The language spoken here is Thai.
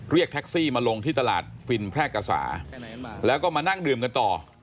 เรียกแท็กซี่มาลงที่ตลาดฟินแพร่กษาแล้วก็มานั่งดื่มกันต่อ